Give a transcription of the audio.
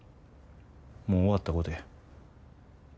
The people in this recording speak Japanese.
もう終わったことや。